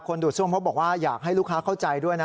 ดูดซ่วมเขาบอกว่าอยากให้ลูกค้าเข้าใจด้วยนะ